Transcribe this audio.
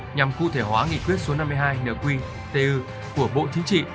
nhằm cụ thể hóa nghị quyết số năm mươi hai nqtu của bộ chính trị